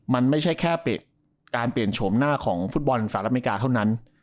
มันไม่ใช่แค่เปลี่ยนการเปลี่ยนโฉมหน้าของฟุตบอลสหรัฐอเมริกาเท่านั้น